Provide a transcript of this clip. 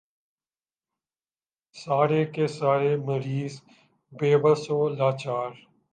سارے کے سارے مریض بے بس و لاچار۔